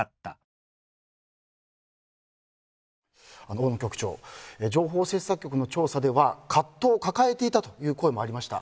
大野局長情報制作局の調査では葛藤を抱えていたという声もありました。